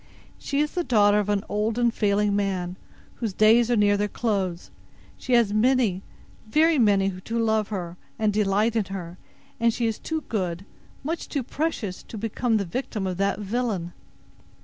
She is the daughter of an old and failing man, whose days are near their close. She has many, very many, to love her, and delight in her; and she is too good, much too precious, to become the victim of that villain."